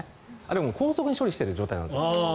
でも、高速で処理している状態なんですよ。